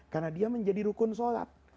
karena dia menjadi rukun sholat